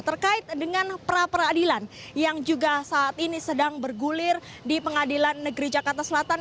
terkait dengan pra peradilan yang juga saat ini sedang bergulir di pengadilan negeri jakarta selatan